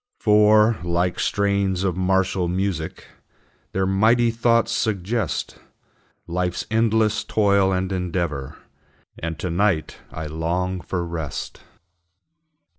For, like strains of martial music, Their mighty thoughts suggest Life's endless toil and endeavor; And to night I long for rest.